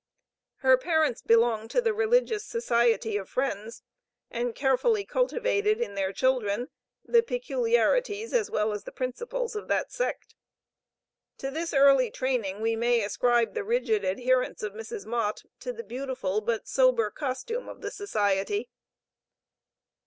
Her parents belonged to the religious Society of Friends, and carefully cultivated in their children, the peculiarities as well as the principles of that sect. To this early training, we may ascribe the rigid adherence of Mrs. Mott, to the beautiful but sober costume of the Society.